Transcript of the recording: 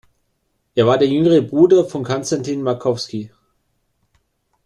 Er war der jüngere Bruder von Konstantin Makowski.